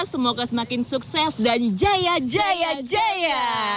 semoga semakin sukses dan jaya jaya jaya